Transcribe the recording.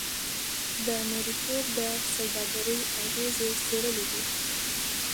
د مریتوب د سوداګرۍ اغېزې څېړلې دي.